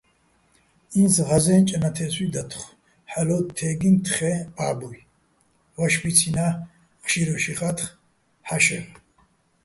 ი́ნც ღაზე́ნჭ ნათე́სვი დათხო̆, ჰ̦ალო̆ თე́გიჼ თხეჼ ბა́ბუჲ, ვაშბიცინა́ ჴშირუშ იხათხ ჰ̦ა́შეღ.